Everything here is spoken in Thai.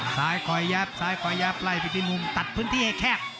ซ้ายคอยยับซ้ายคอยยับไล่ไปที่มุมตัดพื้นที่ให้แคบ